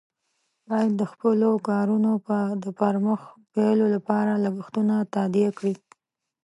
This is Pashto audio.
باید د خپلو کارونو د پر مخ بیولو لپاره لګښتونه تادیه کړي.